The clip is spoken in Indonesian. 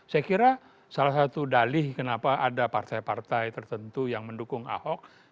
saya kira salah satu dalih kenapa ada partai partai tertentu yang mendukung ahok